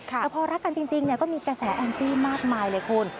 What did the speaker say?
แต่พอรักกันจริงก็มีกระแสแอนตี้มากมายเลยคุณ